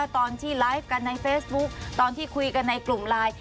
ตอนที่ไลฟ์กันในเฟซบุ๊คตอนที่คุยกันในกลุ่มไลน์